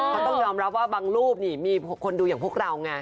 เขาต้องยอมรับว่าบางรูปนี่มีคนดูอย่างพวกเราไง